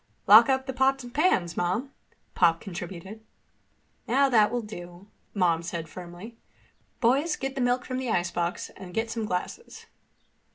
"Lock up the pots and pans, Mom," Pop contributed. "Now that will do," Mom said firmly. "Boys, get the milk from the icebox and get some glasses."